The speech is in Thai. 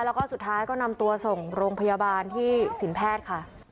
แล้วก็สุดท้ายก็นำตัวส่งโรงพยาบาลที่สินแพทย์ค่ะ